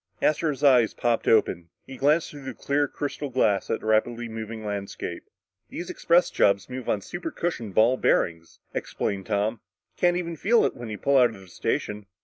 Astro's eyes popped open. He glanced through the clear crystal glass at the rapidly moving landscape. "These express jobs move on supercushioned ball bearings," explained Tom. "You can't even feel it when you pull out of the station."